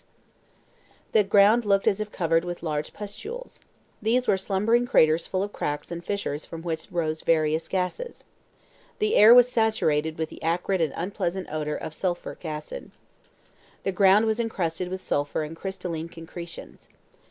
The ground looked as if covered with large pustules. These were slumbering craters full of cracks and fissures from which rose various gases. The air was saturated with the acrid and unpleasant odor of sulphurous acid. The ground was encrusted with sulphur and crystalline concretions.